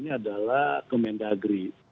ini adalah kemendagri